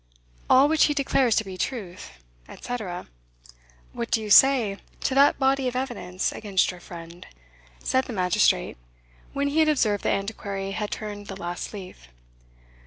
All which he declares to be truth," etc. "What do you say to that body of evidence against your friend?" said the magistrate, when he had observed the Antiquary had turned the last leaf.